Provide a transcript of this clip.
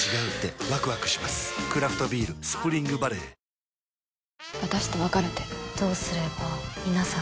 クラフトビール「スプリングバレー」どう？